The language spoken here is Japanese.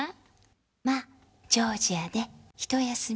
ま、ジョージアでひと休み。